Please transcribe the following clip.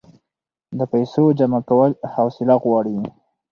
د پیسو جمع کول حوصله غواړي.